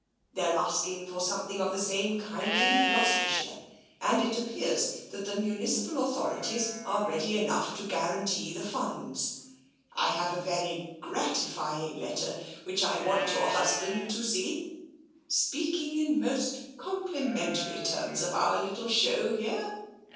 They're asking for something of the same kind in Gloucester shire, and it appears that the municipal authorities are ready enough to guarantee the funds. I have a very gratifying letter, which I want your husband to see, speaking in most complimentary terms of our little show here.